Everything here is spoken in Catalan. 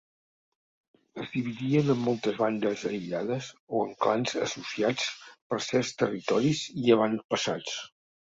Es dividien en moltes bandes aïllades o en clans associats per certs territoris i avantpassats.